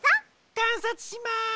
かんさつします。